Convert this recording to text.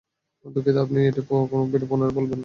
দুঃখিত, আপনি কি এটি পুনরায় বলবেন?